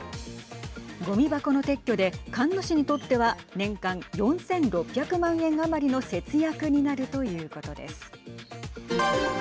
ごみ箱の撤去でカンヌ市にとっては年間４６００万円余りの節約になるということです。